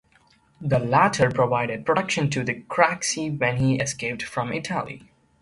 The latter provided protection to Craxi when he escaped from Italy.